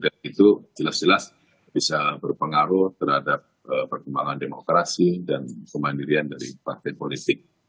dan itu jelas jelas bisa berpengaruh terhadap perkembangan demokrasi dan kemandirian dari partai politik